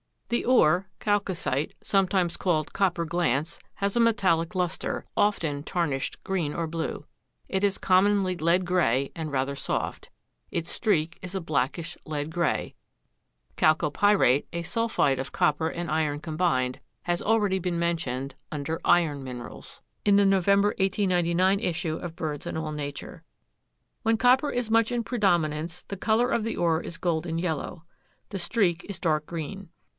The ore chalcocite, sometimes called copper glance, has a metallic luster, often tarnished green or blue. It is commonly lead gray and rather soft. Its streak is a blackish lead gray, Chalcopyrite, a sulphide of copper and iron combined, has already been mentioned under "Iron Minerals" (November issue of BIRDS AND ALL NATURE.) When copper is much in predominance the color of the ore is golden yellow. The streak is dark green.